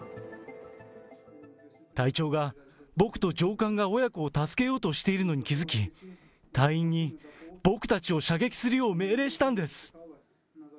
隊長が、僕と上官が親子を助けようとしているのに気付き、隊員に僕たちを射撃するよう命令したんです。